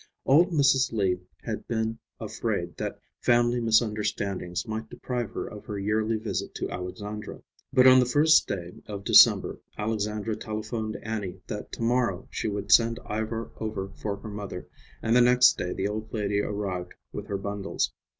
Old Mrs. Lee had been afraid that family misunderstandings might deprive her of her yearly visit to Alexandra. But on the first day of December Alexandra telephoned Annie that to morrow she would send Ivar over for her mother, and the next day the old lady arrived with her bundles.